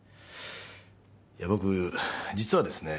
いや僕実はですね